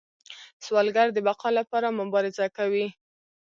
سوالګر د بقا لپاره مبارزه کوي